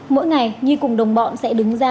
mỗi ngày nhi cùng đồng bọn sẽ đứng ra